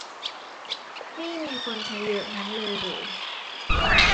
นี่มีคนใช้เยอะงั้นเลยเหรอ